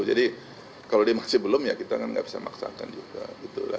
jadi kalau dia masih belum ya kita kan nggak bisa maksakan juga